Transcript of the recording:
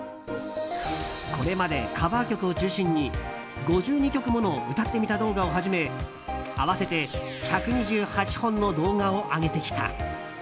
これまでカバー曲を中心に５２曲もの歌ってみた動画をはじめ合わせて１２８本の動画を上げてきた。